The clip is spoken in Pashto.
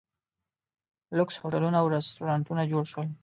لوکس هوټلونه او ریسټورانټونه جوړ شول.